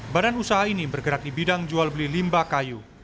badan usaha ini bergerak di bidang jual beli limba kayu